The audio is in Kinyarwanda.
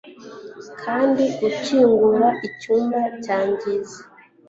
kandi ukingura icyuma cyangiza